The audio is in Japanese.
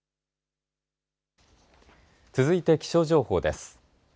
続いて気象情報です。